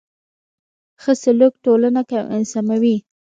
ښه سلوک ټولنه سموي.